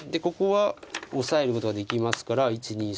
ここはオサえることができますから。